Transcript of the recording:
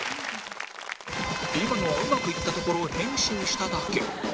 今のはうまくいったところを編集しただけ